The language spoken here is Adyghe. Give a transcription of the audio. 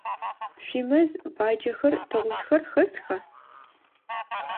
Шъуимэз баджэхэр, тыгъужъхэр хэсха?